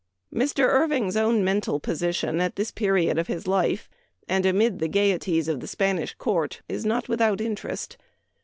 "' Mr. Irving's own mental position at this period of his life, and amid the gayeties of the Spanish court, is not without interest.